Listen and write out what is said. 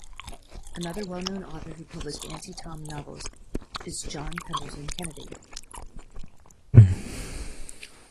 Another well-known author who published anti-Tom novels is John Pendleton Kennedy.